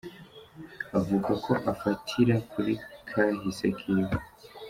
Avuga ko afatira kuri kahise kiwe.